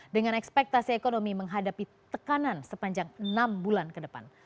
dengan ekspektasi ekonomi menghadapi tekanan sepanjang enam bulan ke depan